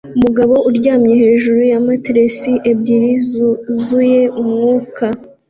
Umugabo aryamye hejuru ya matelas ebyiri zuzuye umwuka